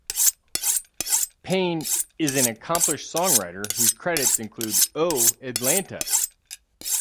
Payne is an accomplished songwriter whose credits include "Oh, Atlanta".